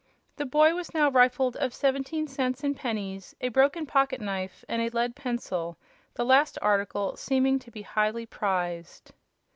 The boy was now rifled of seventeen cents in pennies, a broken pocket knife and a lead pencil, the last article seeming to be highly prized.